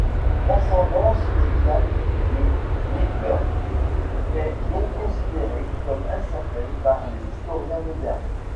L'ascendance exacte de Wihtburh est donc considérée comme incertaine par les historiens modernes.